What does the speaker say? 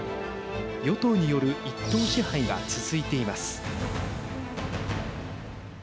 与党による一党支配が続いています。